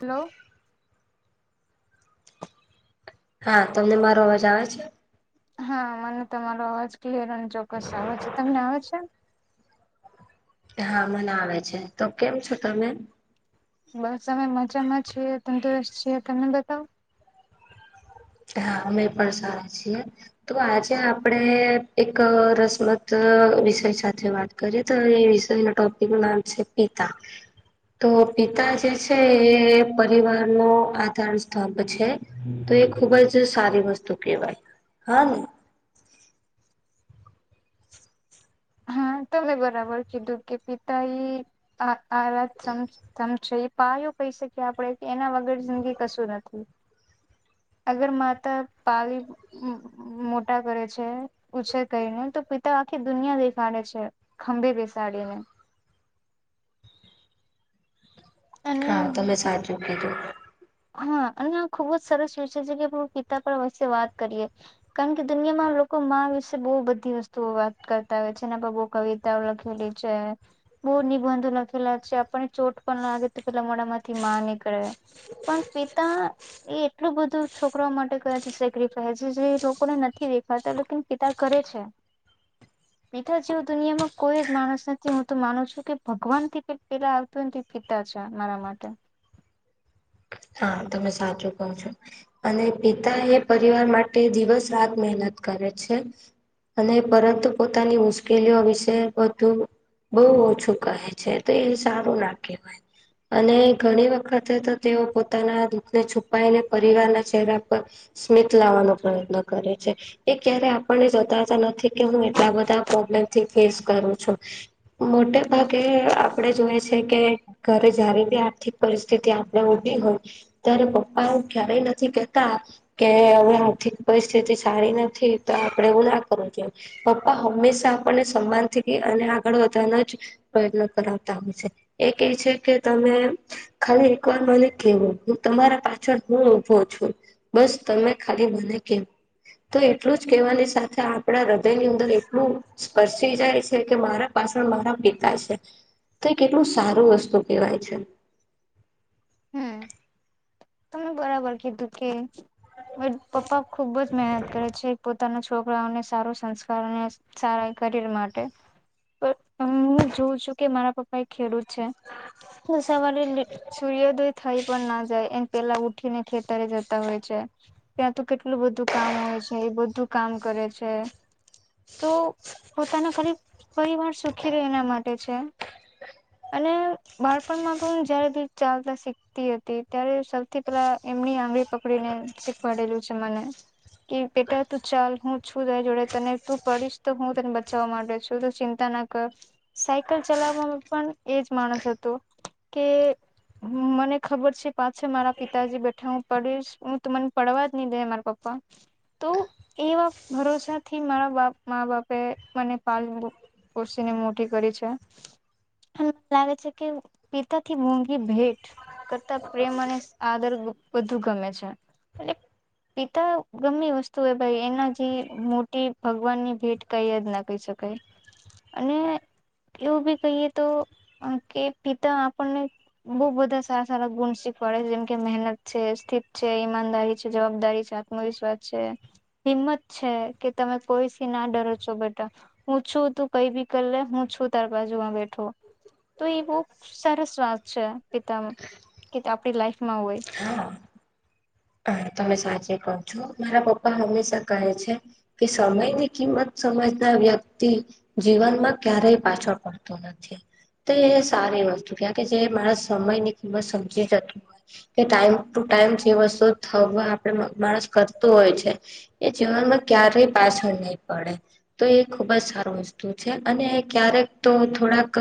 Hello. હા તમને મારો અવાજ આવે છે? હા મને તમારો અવાજ ક્લિયર અને ચોક્કસ આવે છે, તમને આવે છેને? હા મને આવે છે. તો કેમ છો તમે? બસ અમે મજામાં છીએ, તંદુરસ્ત છીએ, તમે બતાવો? હા અમે પર સારા છીએ. તો આજે આપડે એક રસમત વિષય સાથે વાત કરીએ તો એ વિષય ન ટોપિક નું નામ છે પિતા. તો પિતા જે છે એ પરિવાર નો આધાર સ્તંભ છે. તો એ ખુબ જ સારી વસ્તુ કેહેવાય, હા ને? હા તબ બરાબર કીધું કે પિતા એ આ આરાત સમ સમ છે. પાયું કહી શકીએ આપણેે કે એના વગર જિંદગી કશું નથી. અગર માતા પાલી મોટા કરે છે, ઉછેર કરીને તો પિતા આખી દુનિયા દે સાડે છે ખંભી બેસાડીને. અને હા તમે સાચું કીધુ. હા અને આ ખુબ જ સરસ વિષય છે કે ગીતા પર વે વાત કરીએ. કારણ કે દુનિયામાં લોકો માં વિશે બહુ બધી વસ્તુઓ વાત કરતા હોય છે એના પર બહ કવિ લખેલી છે, બોર નિબંધો લખેલા છે આપ ચોટ પણ લાગે તો પેલા મોડા માંથી માં નીકળે, પણ પિતા એ એટલું બધું છોકરા માટે કયા છે સેક્રિફાઈસ જે લોકોને નથી દેખાતા એટલે કે પિતા કરે છે. પિતા જેવું દુનિયામાં કોઈ જ માણસ નથી હું તો માનું છું કે ભગવાન થી પેલા આવતું નથી. પીતા છે મારા માટે. હા તમે સાચું કો છો. અને પિતા એ પરિવાર માટે દિવસ રાત મહેનત કરે છે. અને પરંતુ પોતાની મુશ્કેલીઓ વિશે બધું બહુ ઓછું કહે છે તો એ સારું ના કહેવાય. અને ઘણી વખતે તો તેઓ પો પોતાના દૂધને છુપાઈને પરિવારના ચહેરા પર સ્મિત લાવવાનો પ્રયત્ન કરે છે. એ ક્યારે આપણને જતા નથી કે હું એટલા બધા પ્રોબ્લેમથી ફેસ કરું છું. મોટે ભાગે આપડે જોય છે કે ઘરે જયારે બી આર્થિક પરિસ્થિતિ આપણે ઊભી હોય. ત્યારે પપ્પા એ ક્યારે નથી કેતા કે હવે આર્થિક પરિસ્થિતિ સારી નથી તો આપડે એવું ના કરવું જોઈએ. પપ્પા હંમેશા આપણને સન્માન થી અને આગળ વધવાનો જ. પ્રયત્ન કરાવતા હોય છે એક એ છે કે તમે ખાલી એકવાર મને કેવું. હું તમારા પાછળ હું ઉભો છું બસ તમે ખાલી મને કેમ. તો એટલું જ કેહેવાની સાથે આપણા હૃદયની અંદર એટલું સ્પર્શી જાય છે કે મારા. પાછળ મારા પિતા છે તો એ કેટલું સારું વસ્તુ કહેવાય છે. હમ તમે બરાબર કેધુ કે. પપ્પા ખુબ જ મહેનત કરે છે પો. પોતાના છોકરાઓને સારો સંસ્કાર અને સારા કરયર માટે. હું જોઉં છું કે મારા પપ્પા. કઈ ખેડૂત છે તો સવારે સૂરદય થઈ પણ ના જાય. પેલા ઉઠી ને ખેતરે જતા હોય છે ત્યાં તો કેટલું બધું કામ હોય છે એ બધું કામ કરે છે તો પોતાના ખાલી પરિવાર સુખી રહે એના માટે છે. અને બાળપણમાં પણ જ્યારે. ચાલતા શીખતી હતી ત્યારે સૌથી પેલા એમની આંગળી પકડી ને શીખવાડેલું છે મને. કે બેટા તું ચાલ હું છું ત જોડે તને તું પડીશ તો હું તને બચવા ડે છું ચિં. અચાનક સાયકલ ચલાવવામાં પણ એજ માણસ હતો કે. હ મને ખબર છે પાછા મારા પિતાજી બેઠા હું પડીશ હું તો મને પડવા જ નહી દે મારા પપ્પા. તો એવા ભરોસાથી મારા બાપ મા બાપે મને પાલવું. કુર્શી ની મોટી કરી છે. મને લાગે છે કે પિતાથી મોુંઘી ભેટ. કરતા પ્રેમ અને આદર વધુ ગમે છે એ. પિતા ગમી વસ્તુ હો ભાઈ એના જે મોટી ભગવાન ની ભેટ. કઈ જ ના કહી શકાય અને એવું બી કહીએ તો કે પિતા આપણને બહુ બધા સારા સારા ગુણ શીખવાડે છે જેમ કે મહેનત છે સ્થિત છે ઈમાનદારી છે જવાબદારી છે આત્મવિશ્વાસ છે હિંમત છે કે તમે કોઈથીી ના ડરો છો બેટા હું છું તું કઈ બી કરી લે હું છું તાર બાજુમાં બેઠો તો એ બહ સરસ વાત છે પિતા કે આપણી લાઈફમાં હોય હા હા તમે સાચી કહો છો મારા પપ્પા હંમેશા કહે છે કે સમય ની કિંમત સમજના વ્યક્તિ જીવનમાં ક્યારેય પાછળ પડતું નથી તો એ સારી વસ્તુ ક્યા કે જે મારા સમય ની કિંમત સમજી જતું હોય કે ટાઈમ ટુ ટાઈમ જે વસ્તુ થવા આપડ માણસ કરતું હોય છે એ જીવનમાં ક્યારેય પાછળ નહી પડે તો એ ખુબ જ સારું વસ્તુ છે અને ક્યારેક તો થોડાક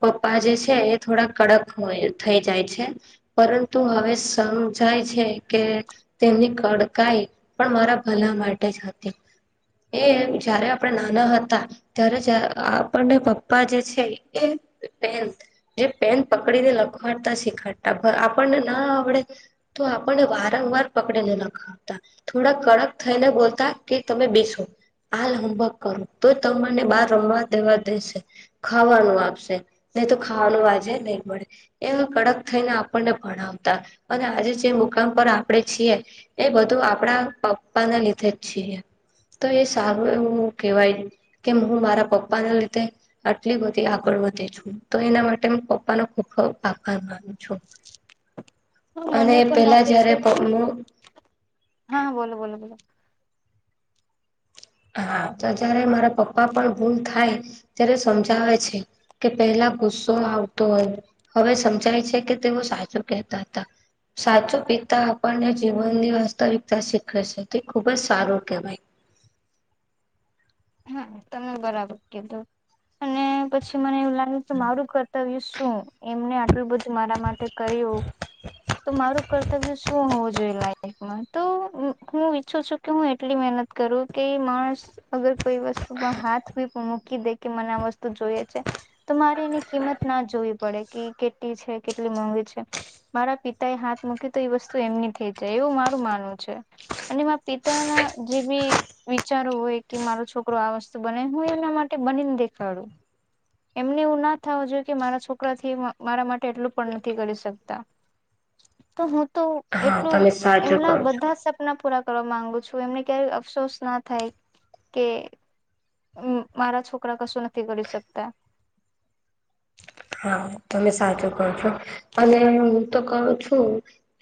પપ્પા જે છે એ થોડા કડક હોય થઈ જાય છે પરંતુ હવે સમ જાય છે કે તેમની કડકાઈ પણ મારા ભલા માટે જ હતી એ જયારે આપણે નાના હતા ત્યારે જ આપણને પપ્પા જે છે એ જે પેન પકડીને લખવાડતા શીખાડતા આપણને ના આવડે તો પણ વારંવાર પકડીને લખાવતા થોડા કડક થઈને બોલતા કે તમે બેસો હાલ હોમવર્ક કરું તો તમને બહાર રમવા દેવા દેશે ખાવાનું આપશે નહી તો ખાવાનું આજે નહી મળે એ કડક થઈને આપણને ભણાવતા અને આજે જે પર આપણેે છીએ એ બધું આપડા પપ્પાને લીધે જ છીએ તો એ સારું એવું કેહેવાય કે હું મારા પપ્પાને લીધે આટલી બધી આગળ વધે છું તો એના માટે પપ્પાનો ખૂબ ખબ આભાર માનું છું [inaudible] હા મને પણ પેલા લાગે જયારે છે હા બોલો બોલો બોલો હા તો જયારે મારા પપ્પા પણ ભૂલ થાય ત્યારે સમજાવે છે કે પહેલા ગુસ્સો આવતો હવે સમજાય છે કે તેઓ સાચું કહેતા હતા સાચો પિતા આપણને જીવનની વાસ્તવિકતા શીખે છે તે ખુબ જ સારું કહેવાય હા તમે બરાબર કીધું અને પછી મને એું મારું કર્તવ્ય શું એમને લું બધું મારા માટે કર્યું તો મારું કર્તવ્ય શું હોવું જોઈએ લ એક તો હું ઈચ્છું છું કે હું એટલી મહેનત કરું કે માણસ અગર કોઈ વસ્તુમાં હાથ બી પણ મૂકી દે કે મને આ વસ્તુ જોઈએ છે તો મારે એની કિંમત ના જોવી પડે કે કેટલી છે કેટલી મોંઘી છે મારા પિતા એ હાથ મૂકી તો એ વસ્તુ એમની થઇ જાય એવું મારું માનવું છે અને મા પિતા ના જે બી વિચારો હોય કે મારો છોકરો આ વસ્ત બને હું એના માટે બનીને દેખાડું એમને એવું ના થવું જોઈએ કે મારા છોકરા થી મારા માટે એટલું પણ નથી કરી શકતા [inaudible] તો હું તો હા એટલું તમે સાચું એમના કહો છો. બધા પૂરા કરવા માંગુ છું એમને કય અફસોસ ના થાય કે મારા છોકરા કશું નથી કરી શકતા હા તમે સાચું કો છો અને હું તો કું છું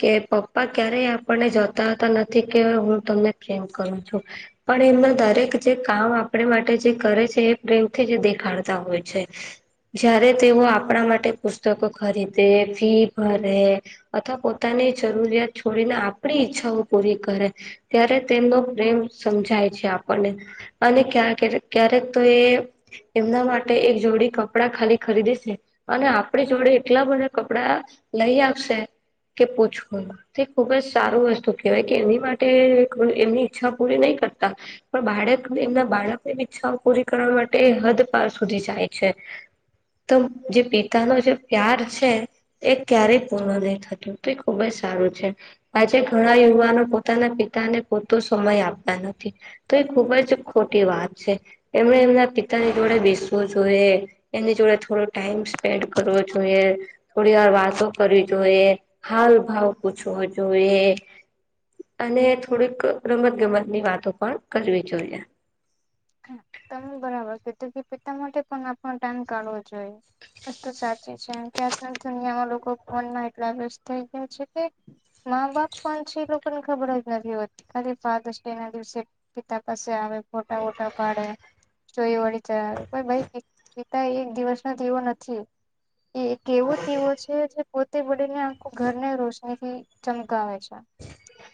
કે પપ્પા ક્યારેય આપણને જતા હતા નથી કે હું તમને પ્રેમ કરું છું પણ એમાં દરેક જે કામ આપણે માટે જે કરે છે એ પ્રેમથી જ દેખાડતા હોય છે જયારે તેઓ આપણા માટે પુસ્તકો ખરીદે ફી ભરે અથવા પોતાની જરૂરિયાત છોડીને આપણી ઈચ્છાઓ પૂરી કરે ત્યારે તેમનો પ્રેમ સમજાય છે આપણને અને ક ક્યારેક તો એ એમના માટે એક જોડી કપડાં ખાલી ખરીદી છે અને આપણી જોડે એટલા બધા કપડા લઈ આવશે કે પૂછું તે ખુબ જ સારું વસ્તુ કેહેવાય કે એની માટે એમની ઈચ્છા પૂરી નહી કરતા પણ બાળક એમના બાળકની ઈચ્છાઓ પૂરી કરવા માટે હદ પાર સુધી જાય છે તો જે પિતાનોો જે પ્યાર છે એ ક્યારેય પૂર્ણ નહ થતું તો એ ખુબ જ સારું છે આજે ઘણા યુવાનો પોતાના પિતાને પોરતો સમય આપતા નથી તો એ ખુબ જ ખોટી વાત છે એમણે એમના પિતાની જોડે બેસવું જોઈએ એમની જોડે થોડો ટાઈમ સ્પેન્ડ કરવો જોઈએ થોડી વાર વાતો કરવી જોઈએ હાલ ભાવ પૂછવો જોઈએ અને થોડીક રમત ગમત ની વાતો પણ કરવી જોઈએ હા તમે બરાબર કીધું કે પિતા માટે પણ આપણો ટાઈમ કાઢવો જોઈએ વસ્તુ સાચી છેમ કે આજ દુનિયામાં લોકો ફોનમાં એટલા વ્યત થઈ ગયા છે કે મા બાપ પણ છે એ લોકોને ખબર જ નથી હોતી ખાલી ફારધર્સ ડે ના દિવસે પિતા પાસે આવે ફોટા વોટા પાડે ચોરી વળી ચ કો પિતા એક દિવસ ના દીવો નથી એ એક કેવો તીવો છે જે પોતે વળને આખું ઘરને રોશની થી ચમકાવે છે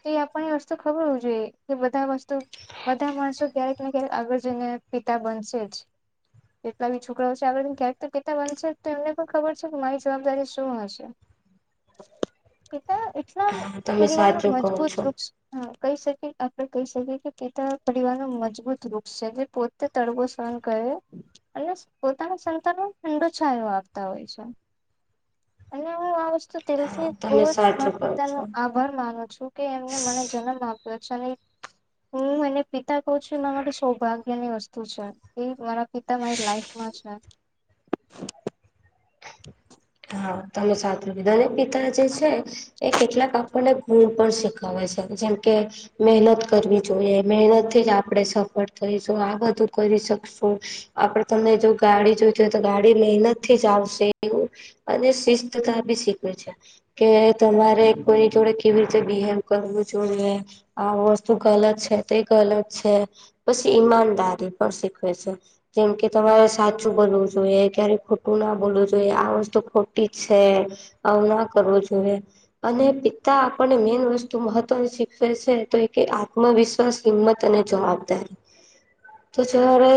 તો એ આપને વસ્તુ ખબરું જોઈએ કે બધા વસ્તુ બધા માણસો ક્યારે આગળ જેને પિતા બનશે જ. જેટલા બી છોકરાઓ છે આડને ક્યારેક કેતા વનશે તો એમને પણ ખબર છે કે મારી જવાબદારી શું હશે હમ પિતા એટલા તમે પરિવાર ન સાચું કહો છો મજબૂત વૃક્ષ હા કહી શકી આપડે કહી શકીએ કે કેટલા પરિવાર નુ મજબૂત વૃક્ષ છે જે પોતે તડવો સહન કર્યો. અને પોતાના સંતાનો ઠંડોછાયો આપતા હોય છે. અને હું આ વસ્તુ હા તેલથી બહુ તમે જ મા સાચું કહો પિતાનો છો. આભાર માનું છું કે એમને મને જન્મ આપ્યો છે અને હું એને પિતા કહુ છું એરા માટે સૌભાગ્ય ની વસ્તુ છે. એ મારા પિતા મારી લાઈફમાં છે. હા તમે સાચુ બીધને પિતા જે છે એ કેટલાક આપણને ગુણ પણ શીખવેે છે. જેમ કે મહેનત કરવી જોઈએ, મહેનતથી જ આપડે સફળ થઈશ આ બધું કરી શકશું. આપડે તમે જો ગાડી જોઈતી હોય તો ગાડી મહેનત થી ચાલશે. અને શિસ્તતા બી શીખવે છે. કે તમારે કોઈની જોડે કેવી રીતે બિહેવ કરવું જોઈએ આ વસ્તુ ગલત છે તે ગલત છે પછી ઈમાનદારી પણ શીખવે છે જેમ કે તમારે સાચું બોલવું જોઈએ ક્યારે ખોટું ના બોલવું જોઈએ આ વસ્તુ ખોટી છે આવું ના કરવું જોઈએ અને પિતા આપણને મેઈન વસ્તુ મહત્વની શીખવે છે તો એ આત્મવિશ્વાસ કિંમત અને જવાબદારી, તો જ્યારે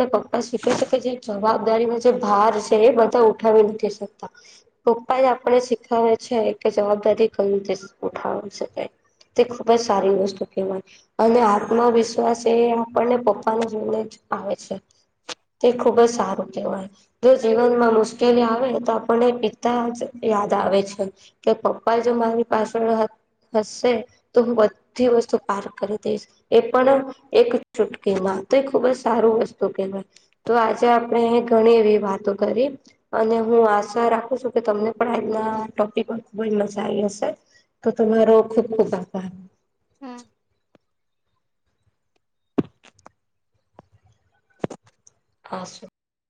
ને પપ્પા શીખવે છે કે જે જવાબદારીનો જે ભાર છે એ બધા ઉઠાવી નથી શકે પપ્પા એ આપણે શીખાવે છે કે જવાબદારી કઈ રીતે ઉઠાવી શકાય તે ખુબ જ સારી વસ્તુ કહેવાય અને આત્મવિશ્વાસ એ આપણને પપ્પાને જોઈને જ આવે છે તે ખુબ જ સારું કેવાય, જો જીવન માં મુશ્કેલી આવેન તો મને પિતા જ યાદ આવે છે કે પપ્પા જો મારી પાછળ હશે, તો હું બધી વસ્તુ પાર કરી દઈશ એ પણ એક ચુટકીમાં તો એ ખુબ જ સારું વસ્તુ કહેવાય તો આજે આપણેે ઘણી એવી વાતો કરી અને હું આશા રાખું છું કે તમને પણ આજના ટોપિક ખુબ જ મજા આઈ હશે તો તમારો ખુબ ખુબ આભાર હમ પાસું